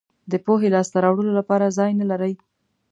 د پوهې لاسته راوړلو لپاره ځای نه لرئ.